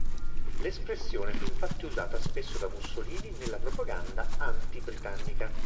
L'espressione fu infatti usata spesso da Mussolini nella propaganda anti-britannica.